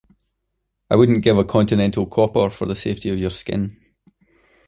I wouldn't give a continental copper for the safety of your skin.